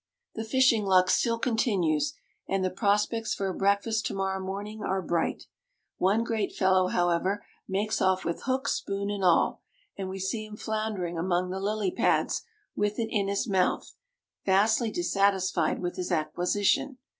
The fishing luck still continues; and the prospects for a breakfast to morrow morning are bright. One great fellow, however, makes off with hook, spoon, and all; and we see him floundering among the lily pads with it in his mouth, vastly dissatisfied with his acquisition.